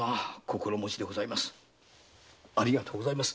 ありがとうございます。